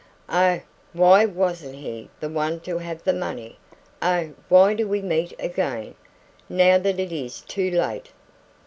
"Oh, why wasn't HE the one to have the money! Oh, why do we meet again, now that it is too late!"